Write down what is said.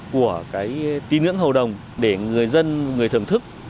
của cái tín ngưỡng hầu đồng để người dân người thưởng thức